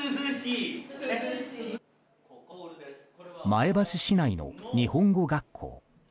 前橋市内の日本語学校。